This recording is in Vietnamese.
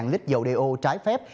bốn mươi lít dầu đeo trái phép